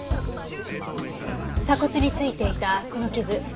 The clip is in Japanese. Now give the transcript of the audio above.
鎖骨に付いていたこの傷。